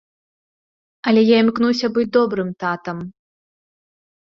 Але я імкнуся быць добрым татам.